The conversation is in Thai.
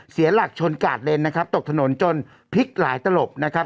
เสียหลักชนกาดเลนนะครับตกถนนจนพลิกหลายตลบนะครับ